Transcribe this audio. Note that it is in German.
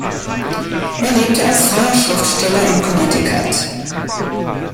Er lebte als freier Schriftsteller in Connecticut.